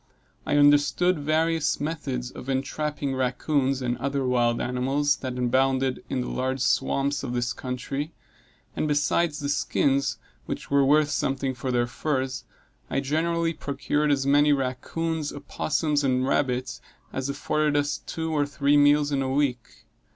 I understood various methods of entrapping rackoons, and other wild animals that abounded in the large swamps of this country; and besides the skins, which were worth something for their furs, I generally procured as many rackoons, opossums, and rabbits, as afforded us two or three meals in a week.